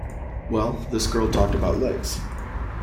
Well, this girl talked about legs.